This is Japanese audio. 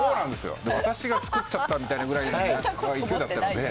私が作っちゃったみたいな勢いだったので。